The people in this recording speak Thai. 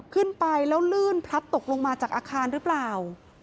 ขึ้นไปแล้วลื่นพลัดตกลงมาจากอาคารหรือเปล่า